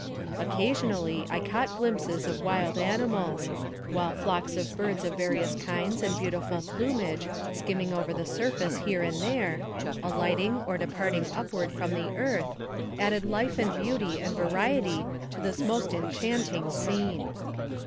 Occasionally I caught glimpses of wild ani mals, while flocks of birds of various kinds and beau tiful plumage skimming over the surface here and AMONG THE SIOUX INDIANS. 155 there, alighting or darting upward from the earth, added life and beauty and variety to this most enchant ing scene.